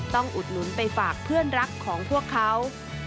อุดหนุนไปฝากเพื่อนรักของพวกเขา